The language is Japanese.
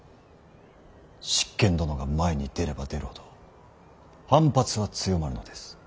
執権殿が前に出れば出るほど反発は強まるのです。